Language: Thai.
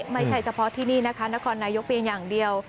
ไม่ใช่เฉพาะที่นี่นะคะนครนายกเพียงอย่างเดียว